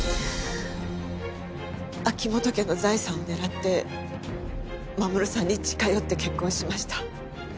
秋本家の財産を狙って守さんに近寄って結婚しました。